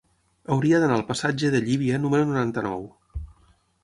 Hauria d'anar al passatge de Llívia número noranta-nou.